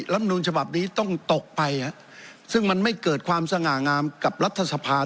นูลฉบับนี้ต้องตกไปซึ่งมันไม่เกิดความสง่างามกับรัฐสภา